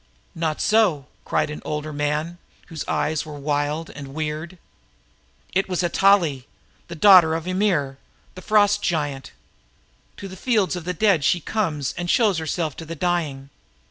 "Not so!" cried an older man, whose eyes were wild and weird. "It was Atali, the daughter of Ymir, the frost giant! To fields of the dead she comes, and shows herself to the dying!